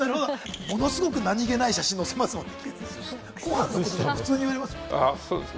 ものすごく何気ない写真を載せてますもんね。